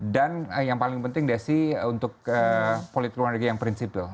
dan yang paling penting desi untuk politik luar negara yang prinsipil